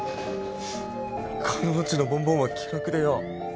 金持ちのボンボンは気楽でよ